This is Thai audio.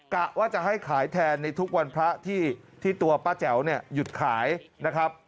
กะว่าจะให้ขายแทนในทุกวันพระที่ตัวป้าแจ๋วเนี่ยหยุดขายนะครับ